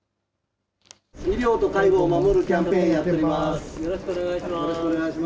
医療と介護を守るキャンペーンやっています。